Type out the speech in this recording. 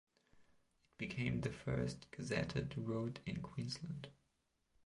It became the first gazetted road in Queensland.